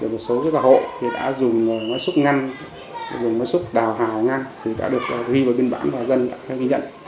một số cái gà hộ thì đã dùng máy xúc ngăn dùng máy xúc đào hào ngăn thì đã được ghi vào biên bản và dân đã ghi nhận